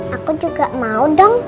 aku juga mau dong